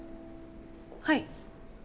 はい。